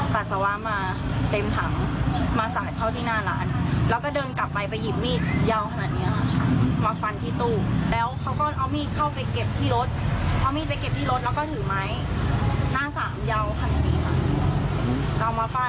เขาเอาถังเอากะติกสีฟ้าที่ใส่ปัสสาวะมาเต็มถังมาสาดเขาที่หน้าร้าน